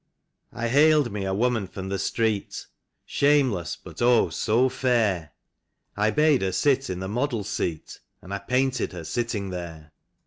I HALED me a woman from the street, Shameless, but, oh, so fair ! I bade her sit in the model's seat, And I painted her sitting there.